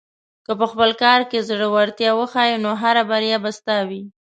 که په خپل کار کې زړۀ ورتیا وښیې، نو هره بریا به ستا وي.